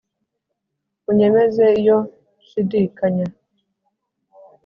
unyemeze iyo nshidikanya.